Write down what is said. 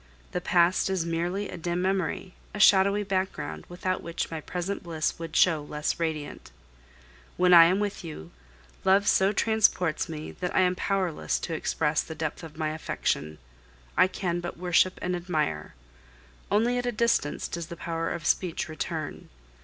The past is merely a dim memory, a shadowy background, without which my present bliss would show less radiant. When I am with you, love so transports me that I am powerless to express the depth of my affection; I can but worship and admire. Only at a distance does the power of speech return.